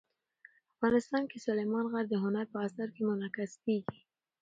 افغانستان کې سلیمان غر د هنر په اثار کې منعکس کېږي.